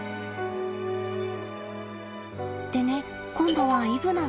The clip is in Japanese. でね今度はイブナがね。